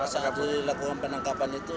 saat dilakukan penangkapan itu